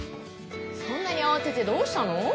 そんなに慌ててどうしたの？